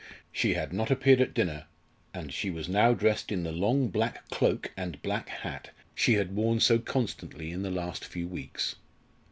She had not appeared at dinner, and she was now dressed in the long black cloak and black hat she had worn so constantly in the last few weeks.